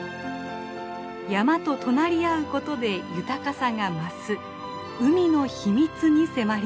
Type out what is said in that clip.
山と隣り合うことで豊かさが増す海の秘密に迫ります。